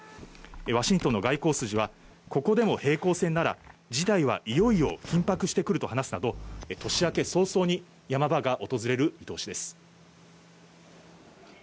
ワシントンの外交筋はここでも平行線なら事態はいよいよ緊迫してくると話すなど、年明け早々に山場が訪れる見通しです。